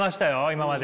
今まで。